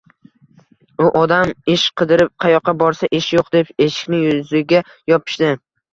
U odam ish qidirib qayoqqa borsa, ish yo`q deb eshikni yuziga yopishdi